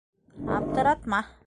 — Аптыратма.